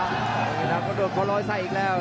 กล้องชิงดาวน์ก็โดดขอร้อยใส่อีกแล้ว